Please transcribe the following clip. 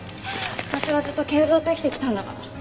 私はずっと健三と生きてきたんだから。